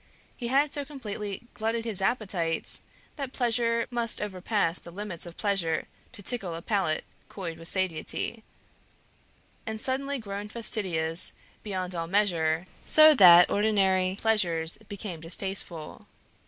He had so completely glutted his appetites that pleasure must overpass the limits of pleasure to tickle a palate cloyed with satiety, and suddenly grown fastidious beyond all measure, so that ordinary pleasures became distasteful.